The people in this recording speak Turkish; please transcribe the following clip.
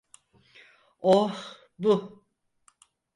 Oh, bu…